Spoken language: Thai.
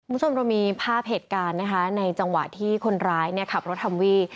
คุณผู้ชมเรามีภาพเหตุการณ์นะคะในจังหวะที่คนร้ายเนี่ยขับรถฮัมวี่